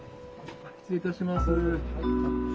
失礼いたします。